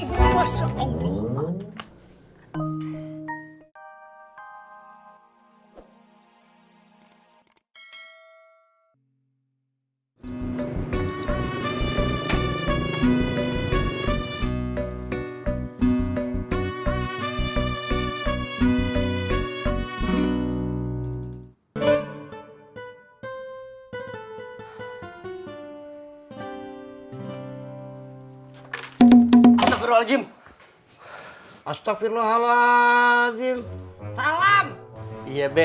saya mau minta ganti rugi be